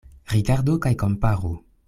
Rigardu kaj komparu.